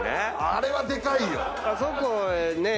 あれはでかい！